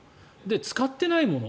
使ってないもの